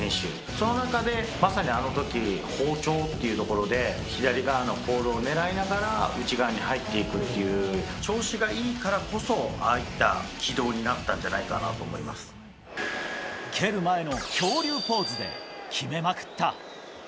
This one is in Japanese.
その中で、まさにあのとき、っていうところで、左側のポールを狙いながら、内側に入っていくっていう、調子がいいからこそ、ああいった軌道になったんじゃな蹴る前の恐竜ポーズで決めまくった。